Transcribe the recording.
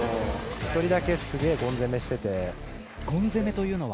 １人だけすげえ、ゴン攻めというのは？